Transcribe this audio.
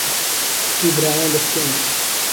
حهقی برایان دهستێنن